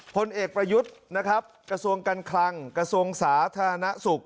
ผลเอกประยุทธ์กระทรวงกันครังกระทรวงสาธารณสุข